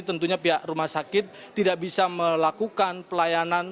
tentunya pihak rumah sakit tidak bisa melakukan pelayanan